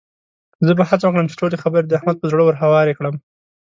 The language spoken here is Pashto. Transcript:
زه به هڅه وکړم چې ټولې خبرې د احمد پر زړه ورهوارې کړم.